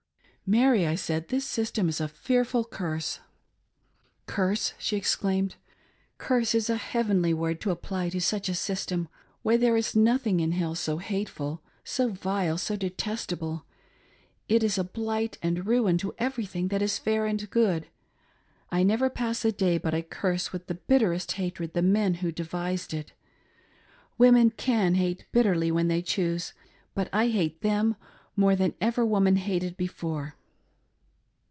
"Mary," I said, " this system is a fearful. curse." " Curse!" she exclaimed, "Curse is a heavenly word to apply to such a system. Why there is nothing in hell so hateful, so vile, so detestable. It is blight and ruin to everything that is fair and good — I never pass a day but I curse with the bitter est hatred the men who devised it. Women can hate bitterly when they choose ; but I hate them more than ever woman hated before."